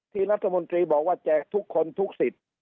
รัฐมนตรีบอกว่าแจกทุกคนทุกสิทธิ์